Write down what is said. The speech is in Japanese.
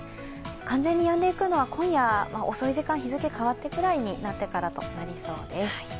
完全にやんでいくのは今夜遅い時間、日付変わってからになりそうです。